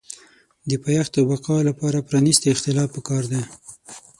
د پایښت او بقا لپاره پرانیستی اختلاف پکار دی.